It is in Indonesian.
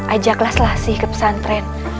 ajaklah selasi ke pesantren